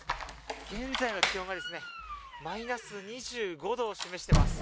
現在の気温がマイナス２５度を示しています。